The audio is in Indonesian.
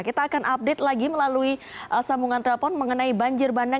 kita akan update lagi melalui sambungan telepon mengenai banjir bandang